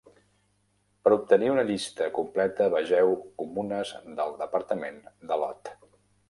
Per obtenir una llista completa, vegeu Comunes del departament de Lot.